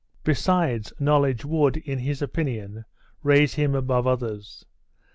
Besides knowledge would, in his opinion, raise him above others.